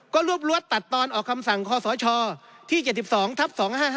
ก็รวบรวดตัดตอนออกคำสั่งคศที่๗๒ทับ๒๕๕